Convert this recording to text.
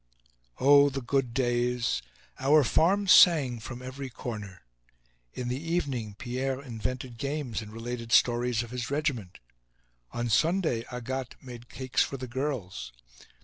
Oh! the good days! Our farm sang from every corner. In the evening, Pierre invented games and related stories of his regiment. On Sunday Agathe made cakes for the girls.